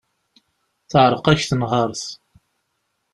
Teεreq-ak tenhert.